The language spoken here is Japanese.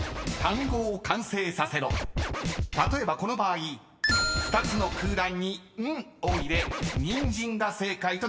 ［例えばこの場合２つの空欄に「ん」を入れ「にんじん」が正解となります］